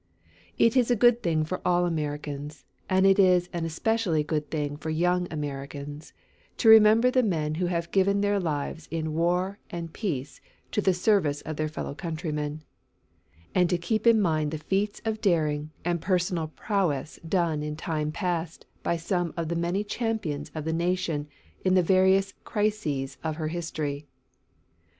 It is a good thing for all Americans, and it is an especially good thing for young Americans, to remember the men who have given their lives in war and peace to the service of their fellow countrymen, and to keep in mind the feats of daring and personal prowess done in time past by some of the many champions of the nation in the various crises of her history.